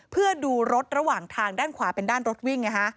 เพื่อดูรถระหว่างทางด้านขวาเป็นด้านรถวิ่งไงฮะ